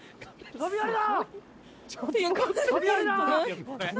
飛び降りろ！！